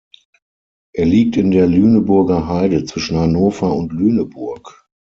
Er liegt in der Lüneburger Heide zwischen Hannover und Lüneburg.